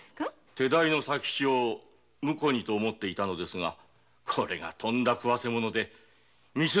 手代の佐吉をムコにと思っていたのですがこれが食わせ者で店の金を。